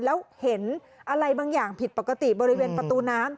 แล้วเห็นอะไรบางอย่างผิดปกติบริเวณประตูน้ำ